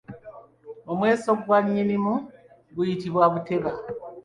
Omweso gwa Nnyinimu guyitibwa buteba.